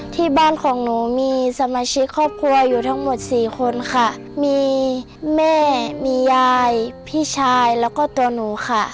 ที่บ้านของหนูมีสมาชิกครอบครัวอยู่ทั้งหมดสี่คนค่ะมีแม่มียายพี่ชายแล้วก็ตัวหนูค่ะ